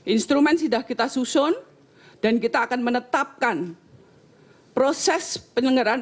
instrumen sudah kita susun dan kita akan menetapkan proses penyelenggaraan